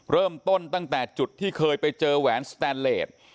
เริ่มต้นตั้งแต่จุดที่เคยไปเจอแหวนสแตนเลส